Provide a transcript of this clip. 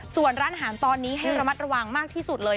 ส่วนร้านอาหารตอนนี้ให้ระมัดระวังมากที่สุดเลย